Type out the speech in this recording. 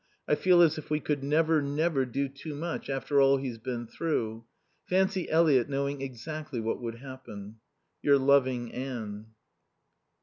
I feel as if we could never, never do too much after all he's been through. Fancy Eliot knowing exactly what would happen. Your loving Anne.